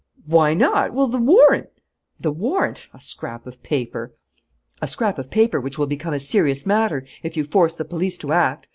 "Why not? Well, the warrant " "The warrant? A scrap of paper!" "A scrap of paper which will become a serious matter if you force the police to act.